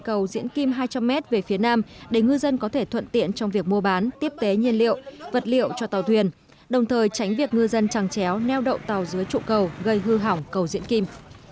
cầu diễn kim hai trăm linh m về phía nam để ngư dân có thể thuận tiện trong việc mua bán tiếp tế nhiên liệu vật liệu cho tàu thuyền đồng thời tránh việc ngư dân trăng chéo neo đậu tàu dưới trụ cầu gây hư hỏng cầu diễn kim